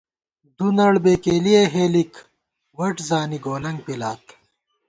دُونڑ بېکېلِیَہ ہېلِک، وَٹ زانی گولَنگ پِلات